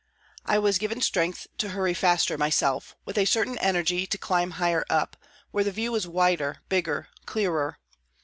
I was given strength to hurry faster myself, with a certain energy to climb higher up, where the view was wider, bigger, clearer.